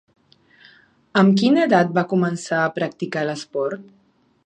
Amb quina edat va començar a practicar l'esport?